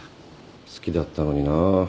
好きだったのにな。